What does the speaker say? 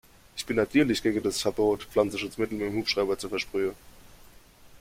Ich bin natürlich gegen das Verbot, Pflanzenschutzmittel mit dem Hubschrauber zu versprühen.